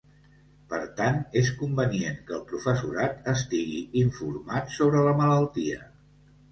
Per tant, és convenient que el professorat estigui informat sobre la malaltia.